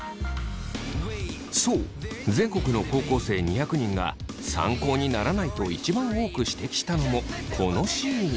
そう全国の高校生２００人が参考にならないと一番多く指摘したのもこのシーン。